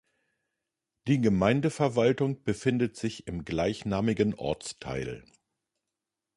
Die Gemeindeverwaltung befindet sich im gleichnamigen Ortsteil.